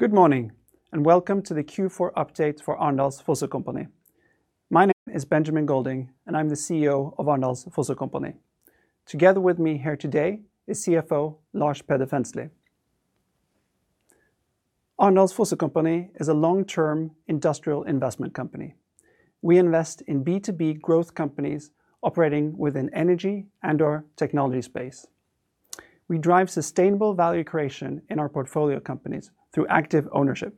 Good morning, and welcome to the Q4 update for Arendals Fossekompani. My name is Benjamin Golding, and I'm the CEO of Arendals Fossekompani. Together with me here today is CFO, Lars Peder Fensli. Arendals Fossekompani is a long-term industrial investment company. We invest in B2B growth companies operating within energy and or technology space. We drive sustainable value creation in our portfolio companies through active ownership.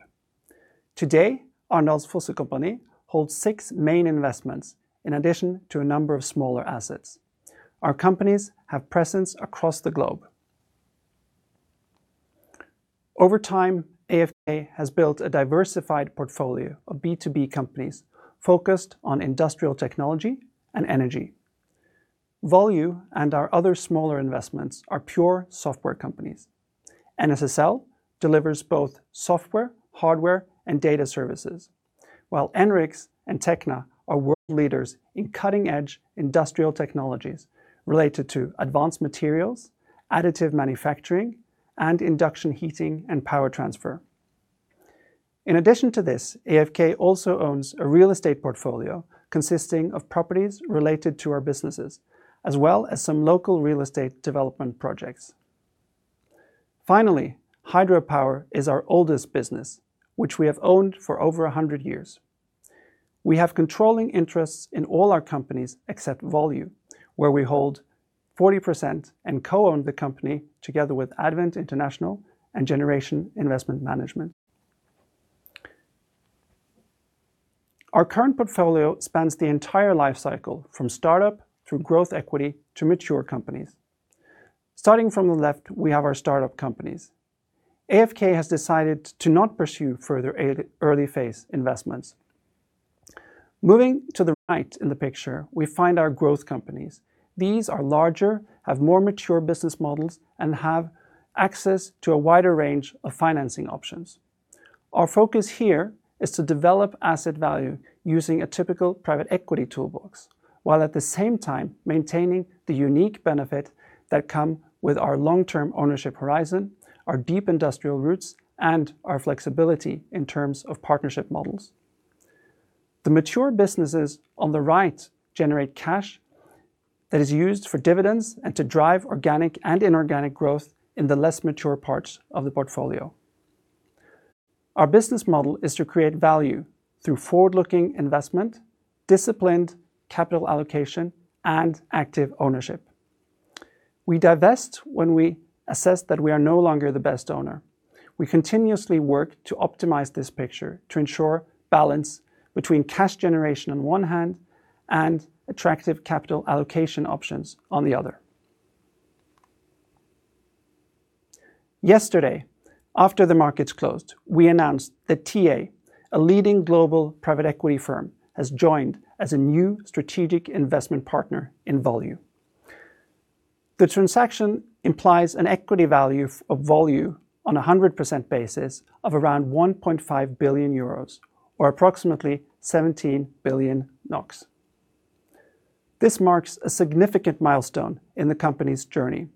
Today, Arendals Fossekompani holds six main investments in addition to a number of smaller assets. Our companies have presence across the globe. Over time, AFK has built a diversified portfolio of B2B companies focused on industrial technology and energy. Volue and our other smaller investments are pure software companies. NSSLGlobal delivers both software, hardware, and data services, while ENRX and Tekna are world leaders in cutting-edge industrial technologies related to advanced materials, additive manufacturing, and induction heating and power transfer. In addition to this, AFK also owns a real estate portfolio consisting of properties related to our businesses, as well as some local real estate development projects. Finally, Hydropower is our oldest business, which we have owned for over 100 years. We have controlling interests in all our companies except Volue, where we hold 40% and co-own the company together with Advent International and Generation Investment Management. Our current portfolio spans the entire life cycle, from startup through growth equity to mature companies. Starting from the left, we have our startup companies. AFK has decided to not pursue further early phase investments. Moving to the right in the picture, we find our growth companies. These are larger, have more mature business models, and have access to a wider range of financing options. Our focus here is to develop asset value using a typical private equity toolbox, while at the same time maintaining the unique benefits that come with our long-term ownership horizon, our deep industrial roots, and our flexibility in terms of partnership models. The mature businesses on the right generate cash that is used for dividends and to drive organic and inorganic growth in the less mature parts of the portfolio. Our business model is to create value through forward-looking investment, disciplined capital allocation, and active ownership. We divest when we assess that we are no longer the best owner. We continuously work to optimize this picture to ensure balance between cash generation on one hand and attractive capital allocation options on the other. Yesterday, after the markets closed, we announced that TA, a leading global private equity firm, has joined as a new strategic investment partner in Volue. The transaction implies an equity value of Volue on a 100% basis of around 1.5 billion euros or approximately 17 billion NOK. This marks a significant milestone in the company's journey.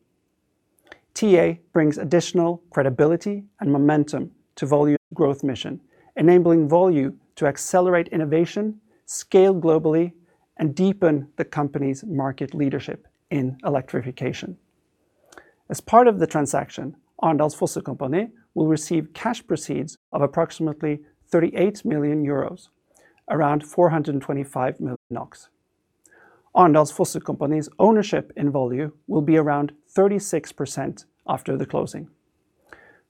TA brings additional credibility and momentum to Volue growth mission, enabling Volue to accelerate innovation, scale globally, and deepen the company's market leadership in electrification. As part of the transaction, Arendals Fossekompani will receive cash proceeds of approximately 38 million euros, around 425 million NOK. Arendals Fossekompani's ownership in Volue will be around 36% after the closing.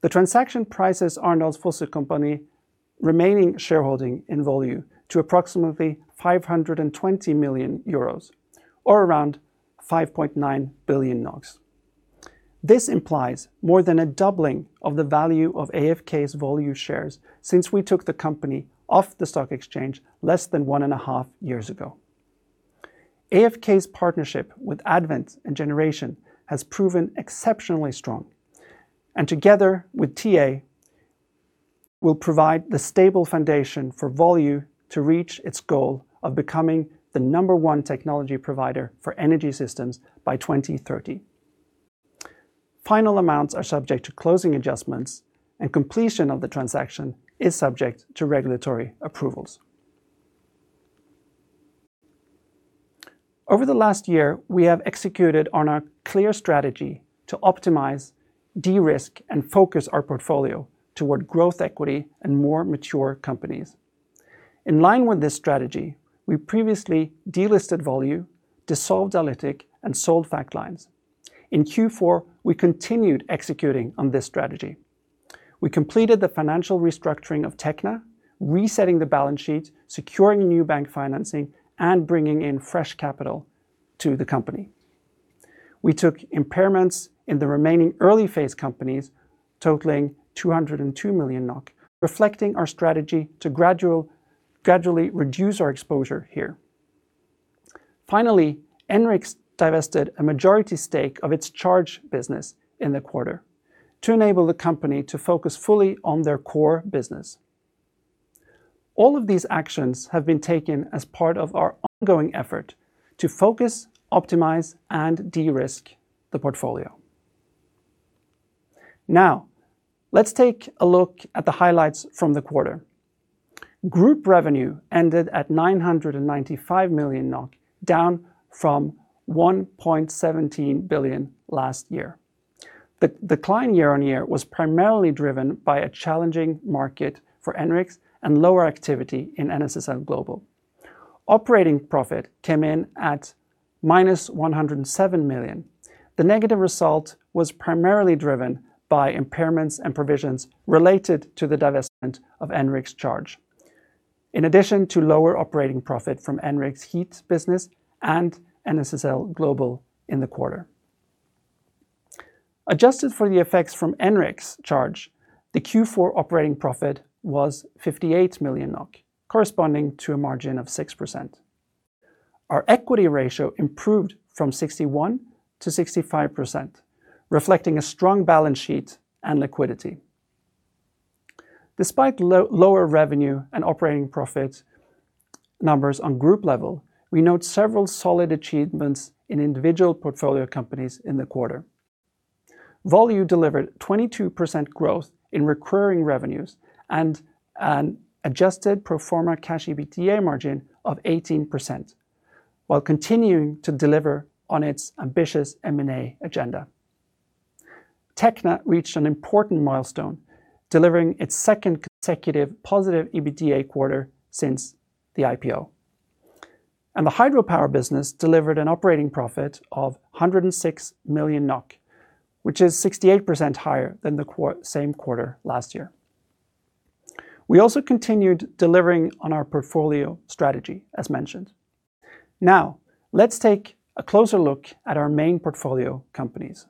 The transaction prices Arendals Fossekompani remaining shareholding in Volue to approximately 520 million euros, or around 5.9 billion NOK. This implies more than a doubling of the value of AFK's Volue shares since we took the company off the stock exchange less than 1.5 years ago. AFK's partnership with Advent and Generation has proven exceptionally strong, and together with TA, will provide the stable foundation for Volue to reach its goal of becoming the number one technology provider for energy systems by 2030. Final amounts are subject to closing adjustments, and completion of the transaction is subject to regulatory approvals. Over the last year, we have executed on our clear strategy to optimize, de-risk, and focus our portfolio toward growth equity and more mature companies. In line with this strategy, we previously delisted Volue, dissolved Alytic, and sold Factlines. In Q4, we continued executing on this strategy. We completed the financial restructuring of Tekna, resetting the balance sheet, securing new bank financing, and bringing in fresh capital to the company. We took impairments in the remaining early-phase companies, totaling 202 million NOK, reflecting our strategy to gradually reduce our exposure here. Finally, ENRX divested a majority stake of its Charge business in the quarter to enable the company to focus fully on their core business.... All of these actions have been taken as part of our ongoing effort to focus, optimize, and de-risk the portfolio. Now, let's take a look at the highlights from the quarter. Group revenue ended at 995 million NOK, down from 1.17 billion last year. The decline YoY was primarily driven by a challenging market for ENRX and lower activity in NSSLGlobal. Operating profit came in at -107 million. The negative result was primarily driven by impairments and provisions related to the divestment of ENRX Charge. In addition to lower operating profit from ENRX Heat business and NSSLGlobal in the quarter. Adjusted for the effects from ENRX Charge, the Q4 operating profit was 58 million NOK, corresponding to a margin of 6%. Our equity ratio improved from 61%-65%, reflecting a strong balance sheet and liquidity. Despite lower revenue and operating profit numbers on group level, we note several solid achievements in individual portfolio companies in the quarter. Volue delivered 22% growth in recurring revenues and an adjusted pro forma cash EBITDA margin of 18%, while continuing to deliver on its ambitious M&A agenda. Tekna reached an important milestone, delivering its second consecutive positive EBITDA quarter since the IPO. The hydropower business delivered an operating profit of 106 million NOK, which is 68% higher than the same quarter last year. We also continued delivering on our portfolio strategy, as mentioned. Now, let's take a closer look at our main portfolio companies.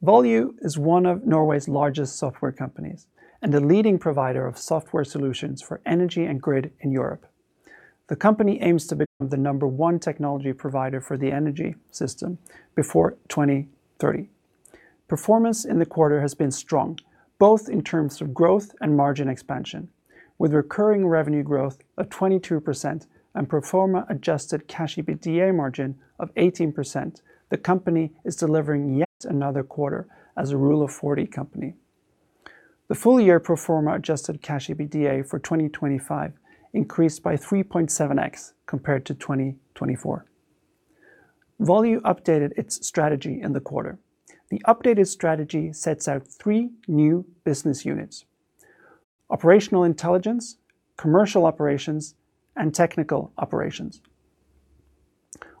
Volue is one of Norway's largest software companies and a leading provider of software solutions for energy and grid in Europe. The company aims to become the number one technology provider for the energy system before 2030. Performance in the quarter has been strong, both in terms of growth and margin expansion, with recurring revenue growth of 22% and pro forma adjusted cash EBITDA margin of 18%. The company is delivering yet another quarter as a Rule of 40 company. The full-year pro forma adjusted cash EBITDA for 2025 increased by 3.7x compared to 2024. Volue updated its strategy in the quarter. The updated strategy sets out three new business units: Operational Intelligence, Commercial Operations, and Technical Operations.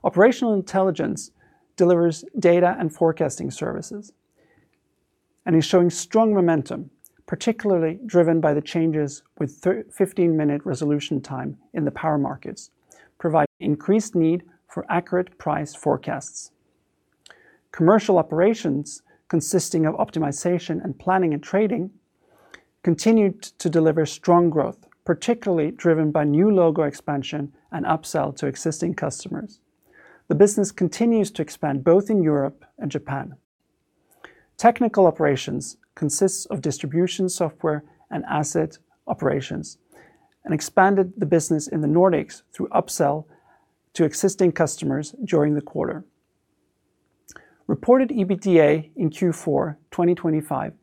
Operational Intelligence delivers data and forecasting services and is showing strong momentum, particularly driven by the changes with 15-minute resolution time in the power markets, provide increased need for accurate price forecasts. Commercial Operations, consisting of optimization and planning and trading, continued to deliver strong growth, particularly driven by new logo expansion and upsell to existing customers. The business continues to expand both in Europe and Japan. Technical Operations consists of distribution, software, and asset operations, and expanded the business in the Nordics through upsell to existing customers during the quarter. Reported EBITDA in Q4 2025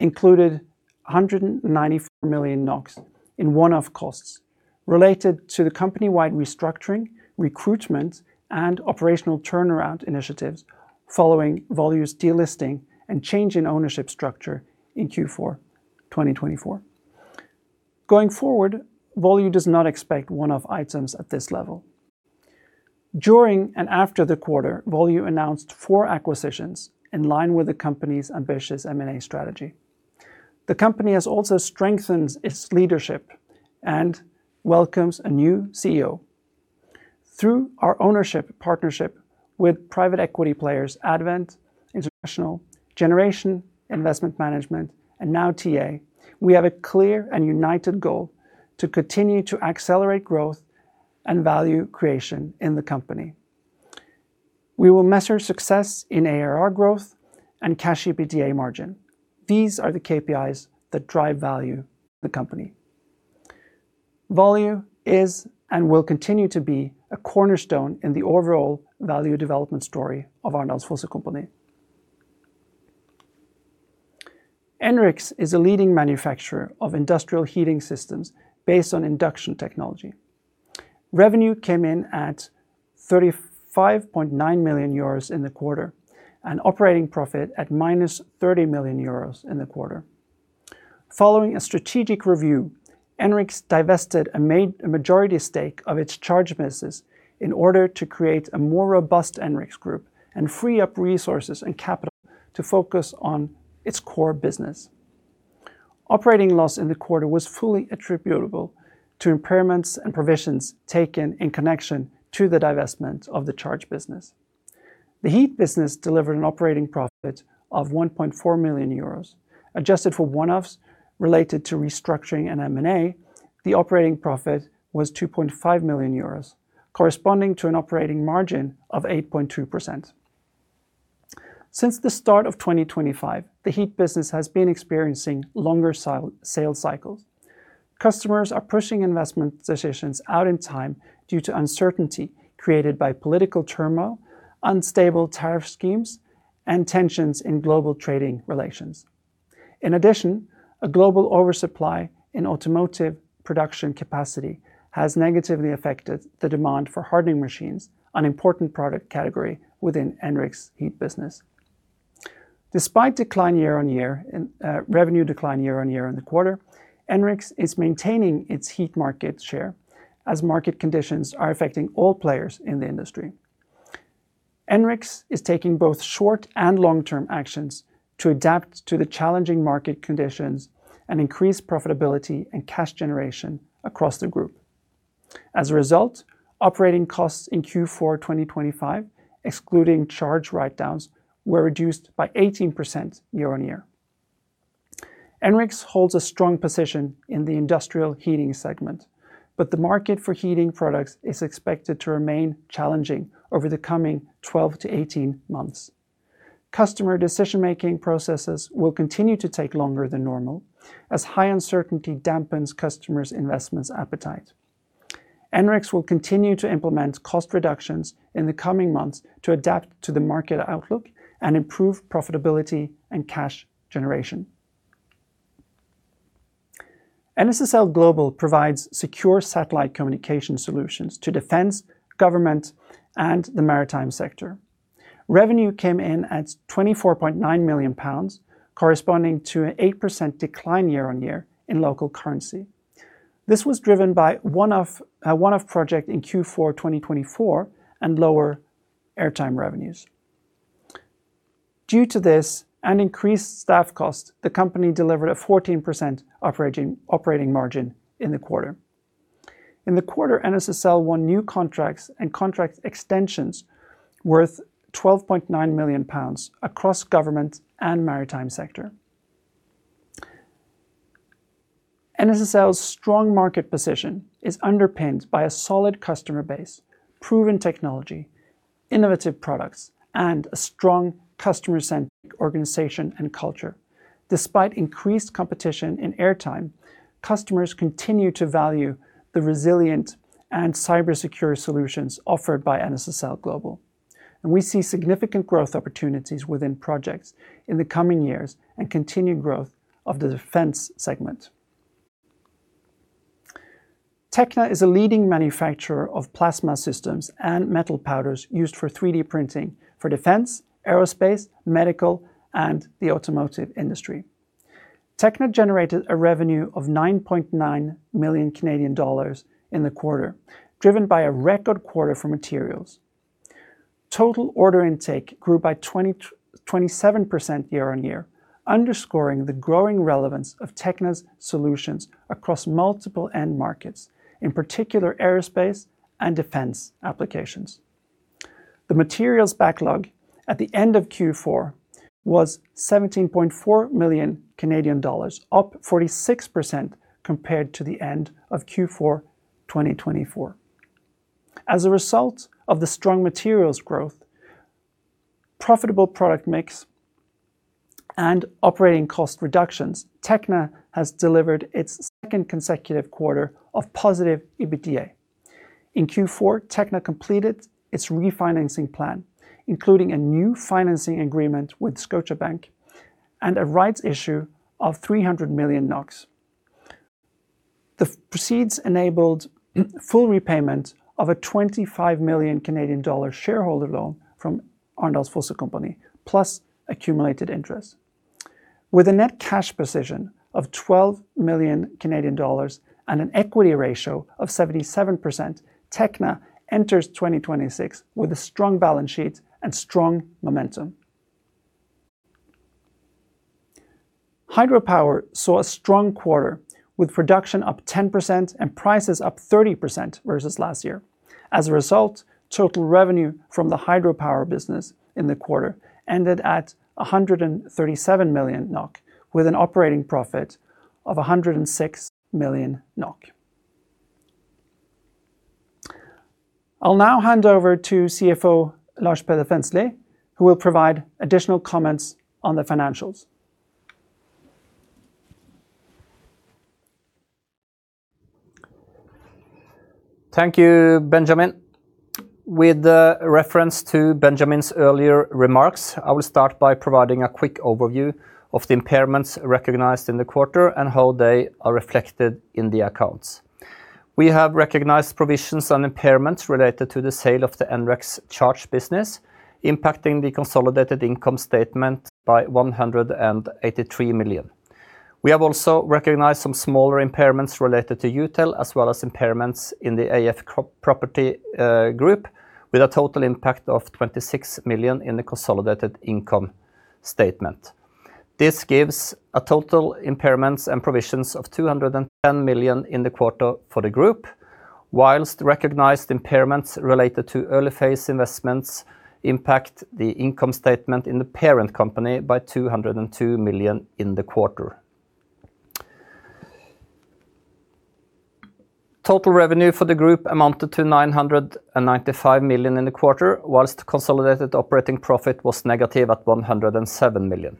included 194 million NOK in one-off costs related to the company-wide restructuring, recruitment, and operational turnaround initiatives following Volue's delisting and change in ownership structure in Q4 2024. Going forward, Volue does not expect one-off items at this level. During and after the quarter, Volue announced four acquisitions in line with the company's ambitious M&A strategy. The company has also strengthened its leadership and welcomes a new CEO. Through our ownership partnership with private equity players, Advent International, Generation Investment Management, and now TA, we have a clear and united goal to continue to accelerate growth and value creation in the company. We will measure success in ARR growth and cash EBITDA margin. These are the KPIs that drive value for the company. Volue is, and will continue to be, a cornerstone in the overall value development story of our Arendals Fossekompani. ENRX is a leading manufacturer of industrial heating systems based on induction technology. Revenue came in at 35.9 million euros in the quarter, and operating profit at -30 million euros in the quarter. Following a strategic review, ENRX divested a majority stake of its Charge business in order to create a more robust ENRX group and free up resources and capital to focus on its core business. Operating loss in the quarter was fully attributable to impairments and provisions taken in connection to the divestment of the Charge business. The Heat business delivered an operating profit of 1.4 million euros. Adjusted for one-offs related to restructuring and M&A, the operating profit was 2.5 million euros.... corresponding to an operating margin of 8.2%. Since the start of 2025, the Heat business has been experiencing longer sales cycles. Customers are pushing investment decisions out in time due to uncertainty created by political turmoil, unstable tariff schemes, and tensions in global trading relations. In addition, a global oversupply in automotive production capacity has negatively affected the demand for hardening machines, an important product category within ENRX's Heat business. Despite decline YoY and revenue decline YoY in the quarter, ENRX is maintaining its heat market share as market conditions are affecting all players in the industry. ENRX is taking both short and long-term actions to adapt to the challenging market conditions and increase profitability and cash generation across the group. As a result, operating costs in Q4 2025, excluding Charge write-downs, were reduced by 18% YoY. ENRX holds a strong position in the industrial heating segment, but the market for heating products is expected to remain challenging over the coming 12-18 months. Customer decision-making processes will continue to take longer than normal, as high uncertainty dampens customers' investments appetite. ENRX will continue to implement cost reductions in the coming months to adapt to the market outlook and improve profitability and cash generation. NSSLGlobal provides secure satellite communication solutions to defense, government, and the maritime sector. Revenue came in at 24.9 million pounds, corresponding to an 8% decline YoY in local currency. This was driven by one-off project in Q4 2024, and lower airtime revenues. Due to this, and increased staff costs, the company delivered a 14% operating margin in the quarter. In the quarter, NSSLGlobal won new contracts and contract extensions worth 12.9 million pounds across government and maritime sector. NSSLGlobal's strong market position is underpinned by a solid customer base, proven technology, innovative products, and a strong customer-centric organization and culture. Despite increased competition in airtime, customers continue to value the resilient and cyber-secure solutions offered by NSSLGlobal, and we see significant growth opportunities within projects in the coming years and continued growth of the defense segment. Tekna is a leading manufacturer of plasma systems and metal powders used for 3D printing for defense, aerospace, medical, and the automotive industry. Tekna generated a revenue of 9.9 million Canadian dollars in the quarter, driven by a record quarter for materials. Total order intake grew by 27% year-on-year, underscoring the growing relevance of Tekna's solutions across multiple end markets, in particular, aerospace and defense applications. The materials backlog at the end of Q4 was 17.4 million Canadian dollars, up 46% compared to the end of Q4 2024. As a result of the strong materials growth, profitable product mix, and operating cost reductions, Tekna has delivered its second consecutive quarter of positive EBITDA. In Q4, Tekna completed its refinancing plan, including a new financing agreement with Scotiabank and a rights issue of 300 million NOK. The proceeds enabled full repayment of a 25 million Canadian dollar shareholder loan from Arendals Fossekompani, plus accumulated interest. With a net cash position of 12 million Canadian dollars and an equity ratio of 77%, Tekna enters 2026 with a strong balance sheet and strong momentum. Hydropower saw a strong quarter, with production up 10% and prices up 30% versus last year. As a result, total revenue from the hydropower business in the quarter ended at 137 million NOK, with an operating profit of 106 million NOK. I'll now hand over to CFO Lars Peder Fensli, who will provide additional comments on the financials. Thank you, Benjamin. With reference to Benjamin's earlier remarks, I will start by providing a quick overview of the impairments recognized in the quarter and how they are reflected in the accounts. We have recognized provisions on impairments related to the sale of the ENRX Charge business, impacting the consolidated income statement by 183 million. We have also recognized some smaller impairments related to Utel, as well as impairments in the AFK Eiendom group, with a total impact of 26 million in the consolidated income statement. This gives a total impairments and provisions of 210 million in the quarter for the group, whilst recognized impairments related to early phase investments impact the income statement in the parent company by 202 million in the quarter. Total revenue for the group amounted to 995 million in the quarter, while consolidated operating profit was negative at 107 million.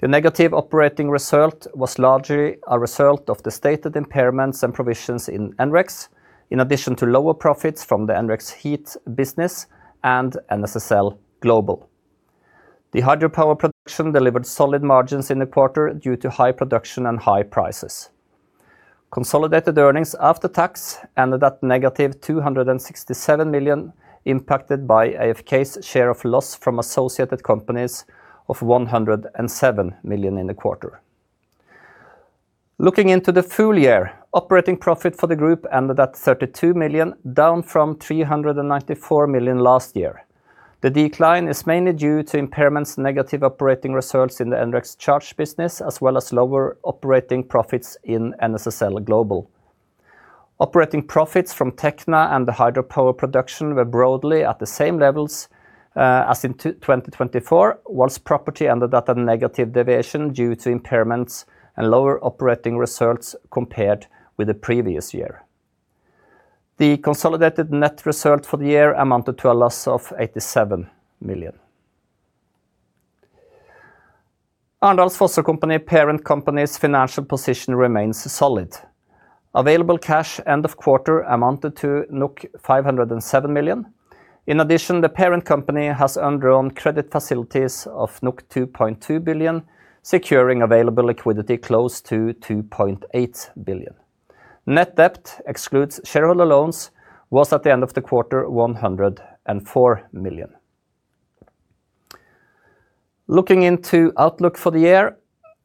The negative operating result was largely a result of the stated impairments and provisions in ENRX, in addition to lower profits from the ENRX Heat business and NSSLGlobal. The hydropower production delivered solid margins in the quarter due to high production and high prices. Consolidated earnings after tax ended at negative 267 million, impacted by AFK's share of loss from associated companies of 107 million in the quarter. Looking into the full year, operating profit for the group ended at 32 million, down from 394 million last year. The decline is mainly due to impairments, negative operating results in the ENRX Charge business, as well as lower operating profits in NSSLGlobal. Operating profits from Tekna and the hydropower production were broadly at the same levels as in 2024, while property ended at a negative deviation due to impairments and lower operating results compared with the previous year. The consolidated net result for the year amounted to a loss of 87 million. Arendals Fossekompani parent company's financial position remains solid. Available cash end of quarter amounted to 507 million. In addition, the parent company has undrawn credit facilities of 2.2 billion, securing available liquidity close to 2.8 billion. Net debt, excludes shareholder loans, was, at the end of the quarter, 104 million. Looking into outlook for the year,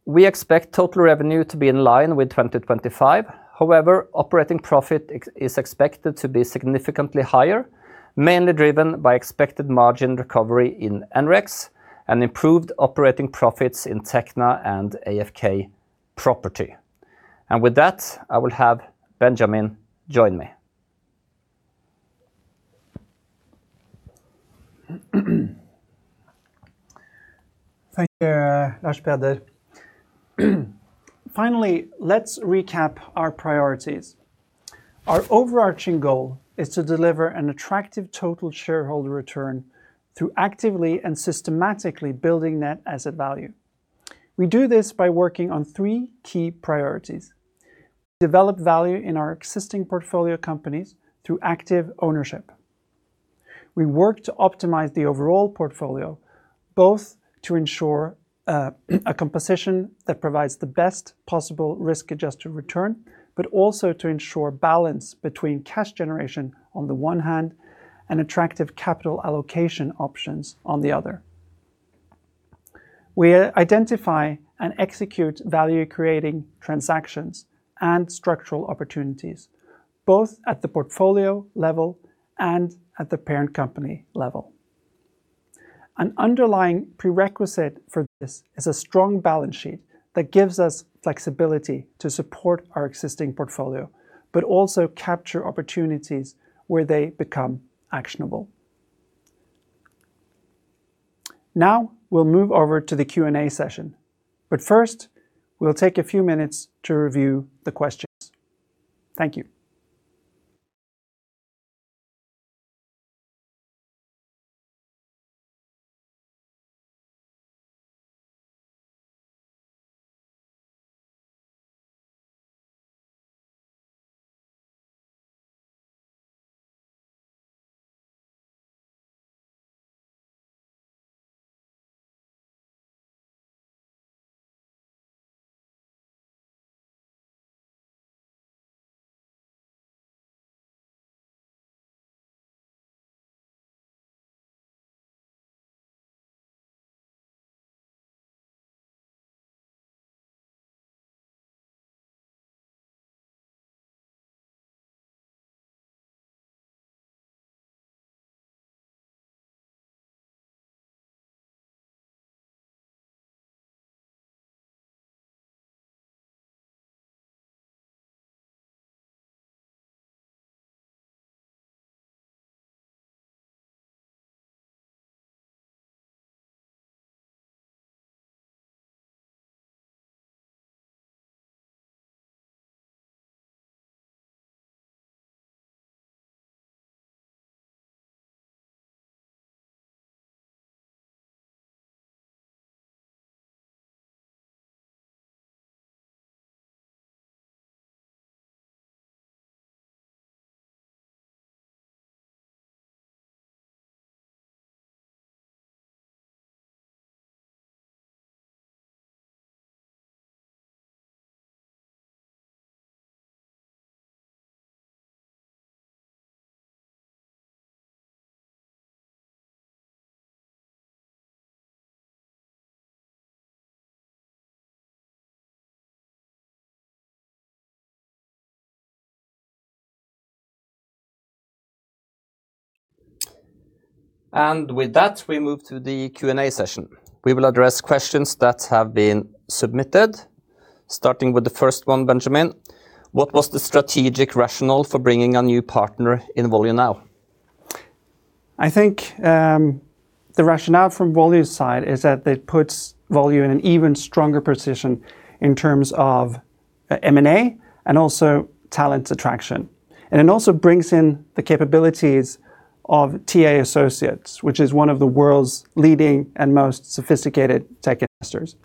we expect total revenue to be in line with 2025. However, operating profit is expected to be significantly higher, mainly driven by expected margin recovery in ENRX and improved operating profits in Tekna and AFK Eiendom. With that, I will have Benjamin join me. Thank you, Lars Peder. Finally, let's recap our priorities. Our overarching goal is to deliver an attractive total shareholder return through actively and systematically building net asset value. We do this by working on three key priorities: develop value in our existing portfolio companies through active ownership. We work to optimize the overall portfolio, both to ensure a composition that provides the best possible risk-adjusted return, but also to ensure balance between cash generation on the one hand and attractive capital allocation options on the other. We identify and execute value-creating transactions and structural opportunities, both at the portfolio level and at the parent company level. An underlying prerequisite for this is a strong balance sheet that gives us flexibility to support our existing portfolio, but also capture opportunities where they become actionable. Now, we'll move over to the Q&A session, but first, we'll take a few minutes to review the questions. Thank you. With that, we move to the Q&A session. We will address questions that have been submitted, starting with the first one, Benjamin. What was the strategic rationale for bringing a new partner in Volue now?... I think the rationale from Volue's side is that it puts Volue in an even stronger position in terms of M&A and also talent attraction. It also brings in the capabilities of TA Associates, which is one of the world's leading and most sophisticated tech investors.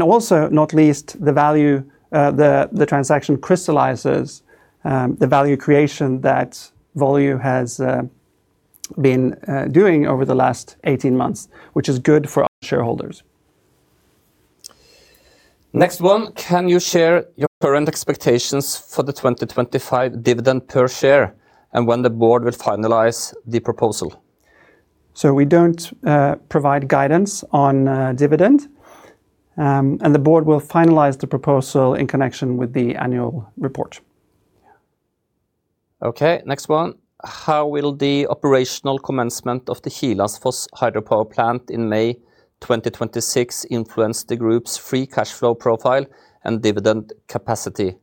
Also, not least, the transaction crystallizes the value creation that Volue has been doing over the last 18 months, which is good for our shareholders. Next one: Can you share your current expectations for the 2025 dividend per share, and when the board will finalize the proposal? So we don't provide guidance on dividend. And the board will finalize the proposal in connection with the annual report. Okay, next one. How will the operational commencement of the Hellandsfoss hydropower plant in May 2026 influence the group's free cash flow profile and dividend capacity?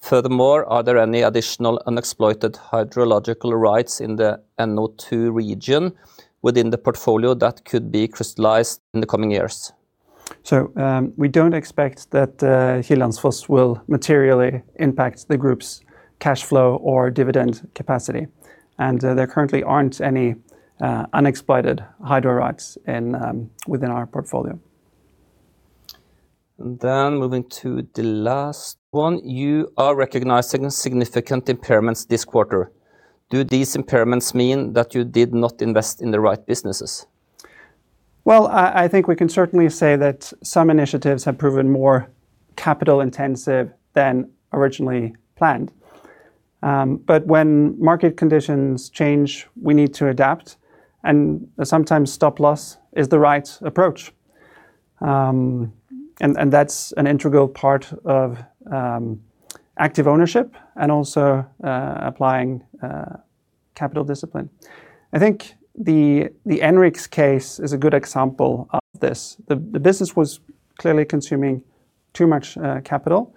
Furthermore, are there any additional unexploited hydrological rights in the NO2 region within the portfolio that could be crystallized in the coming years? We don't expect that Hellandsfoss will materially impact the group's cash flow or dividend capacity, and there currently aren't any unexploited hydro rights within our portfolio. Moving to the last one. You are recognizing significant impairments this quarter. Do these impairments mean that you did not invest in the right businesses? Well, I think we can certainly say that some initiatives have proven more capital-intensive than originally planned. But when market conditions change, we need to adapt, and sometimes stop-loss is the right approach. And that's an integral part of active ownership and also applying capital discipline. I think the ENRX's case is a good example of this. The business was clearly consuming too much capital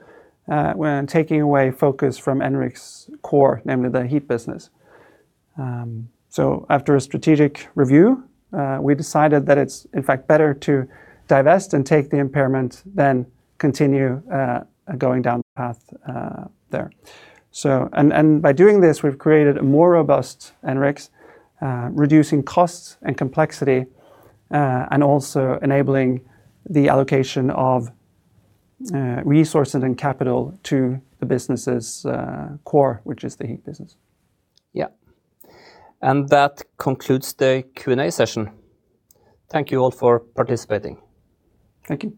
when taking away focus from ENRX's core, namely the Heat business. So after a strategic review, we decided that it's, in fact, better to divest and take the impairment than continue going down the path there. So... By doing this, we've created a more robust ENRX's, reducing costs and complexity, and also enabling the allocation of resources and capital to the business's core, which is the Heat business. Yeah, and that concludes the Q&A session. Thank you all for participating. Thank you.